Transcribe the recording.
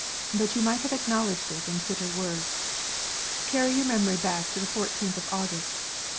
"But you might have acknowledged it in fitter words. Carry your memory back to the fourteenth of August.